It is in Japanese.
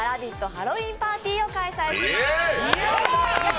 ハロウィーンパーティーを開催します。